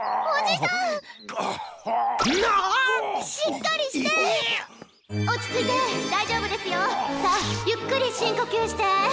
さあゆっくり深呼吸して。